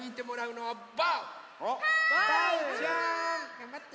がんばって！